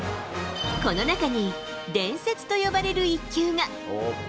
この中に伝説と呼ばれる１球が。